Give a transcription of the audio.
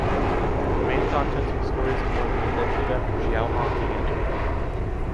The main contents were stories of more than a decade after Xiao Hong began to write.